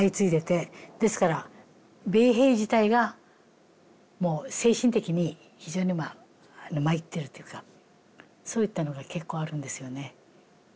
ですから米兵自体がもう精神的に非常にまあ参ってるというかそういったのが結構あるんですよね。